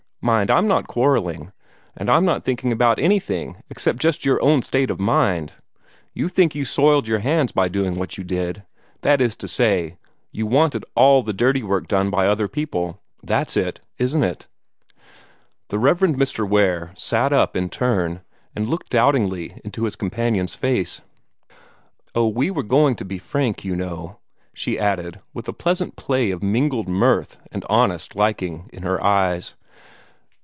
Mind, I'm not quarrelling, and I'm not thinking about anything except just your own state of mind. You think you soiled your hands by doing what you did. That is to say, you wanted ALL the dirty work done by other people. That's it, isn't it?" "The Rev. Mr. Ware sat up, in turn, and looked doubtingly into his companion's face. "Oh, we were going to be frank, you know," she added, with a pleasant play of mingled mirth and honest liking in her eyes.